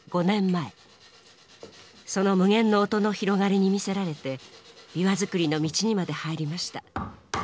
その無限の音の広がりに魅せられて琵琶作りの道にまで入りました。